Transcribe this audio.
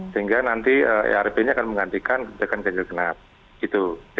sehingga nanti erp ini akan menggantikan kebijakan ganjil genap